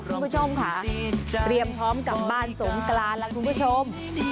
คุณผู้ชมค่ะเตรียมพร้อมกลับบ้านสงกรานแล้วคุณผู้ชม